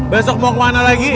besok mau kemana lagi